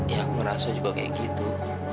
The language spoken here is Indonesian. ya aku ngerasa juga kayak gitu